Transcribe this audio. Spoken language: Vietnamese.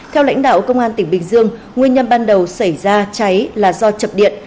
theo lãnh đạo công an tỉnh bình dương nguyên nhân ban đầu xảy ra cháy là do chập điện